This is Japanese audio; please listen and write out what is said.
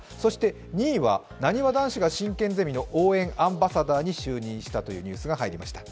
２位はなにわ男子が進研ゼミの応援アンバサダーに就任したというニュースが入りました。